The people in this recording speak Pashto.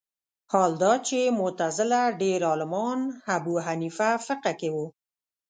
حال دا چې معتزله ډېر عالمان ابو حنیفه فقه کې وو